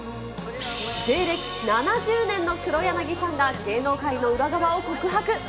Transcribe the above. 芸歴７０年の黒柳さんが芸能界の裏側を告白。